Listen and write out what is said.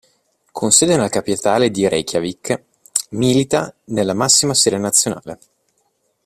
Con sede nella capitale Reykjavík, milita nella massima serie nazionale.